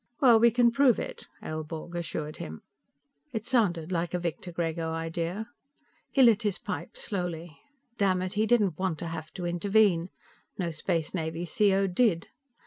"Well, we can prove it," Aelborg assured him. It sounded like a Victor Grego idea. He lit his pipe slowly. Damnit, he didn't want to have to intervene. No Space Navy C.O. did.